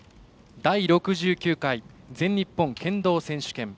第６９回全日本剣道選手権。